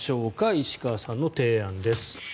石川さんの提案です。